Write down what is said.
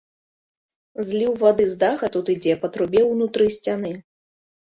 Зліў вады з даха тут ідзе па трубе ўнутры сцяны.